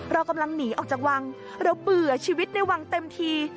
เรากำลังหนีออกจากวังเราเบื่อชีวิตในวังเต็มที